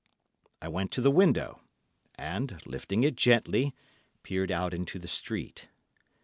I went to the window, and, lifting it gently, peered out into the street.